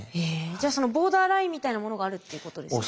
じゃあそのボーダーラインみたいなものがあるっていうことですか？